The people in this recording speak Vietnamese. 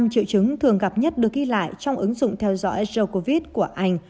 năm triệu chứng thường gặp nhất được ghi lại trong ứng dụng theo dõi go covid của anh